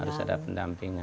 harus ada pendampingan